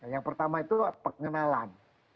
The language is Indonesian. yang pertama itu pengenalan